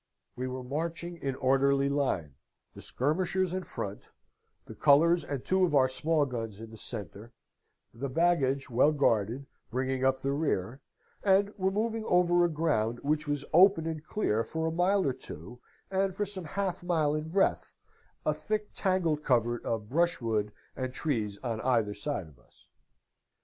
We were marching in orderly line, the skirmishers in front, the colours and two of our small guns in the centre, the baggage well guarded bringing up the rear, and were moving over a ground which was open and clear for a mile or two, and for some half mile in breadth, a thick tangled covert of brushwood and trees on either side of us.